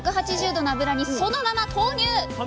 １８０℃の油にそのまま投入！